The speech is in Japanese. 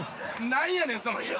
なんやねんその。